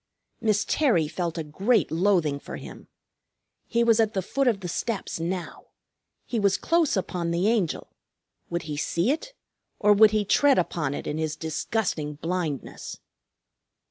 Miss Terry felt a great loathing for him. He was at the foot of the steps now. He was close upon the Angel. Would he see it, or would he tread upon it in his disgusting blindness?